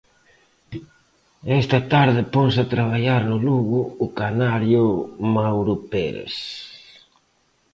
E esta tarde ponse a traballar no Lugo o canario Mauro Pérez.